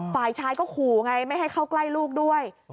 ฝ่ายชายก็ขู่ไงไม่ให้เข้าใกล้ลูกด้วย